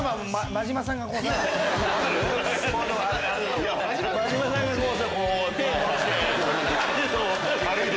真島さんがこう手下ろして。